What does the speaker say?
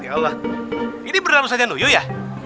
ya allah ini beneran usahanya nuyui ya